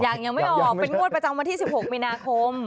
ยังไม่ออกเป็นงวดประจำวันที่๑๖มีนาคม